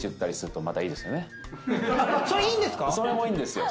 それいいんですか？